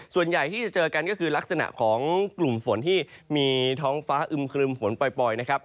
ส่วนใหญ่ที่จะเจอกันก็คือลักษณะของกลุ่มฝนที่มีท้องฟ้าอึมครึมฝนปล่อยนะครับ